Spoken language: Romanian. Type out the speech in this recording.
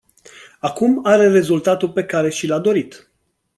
Acum are rezultatul pe care și l-a dorit.